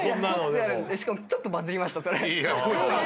しかもちょっとバズりましたそれ。